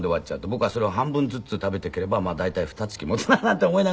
僕はそれを半分ずつ食べていければまあ大体二月もつななんて思いながら。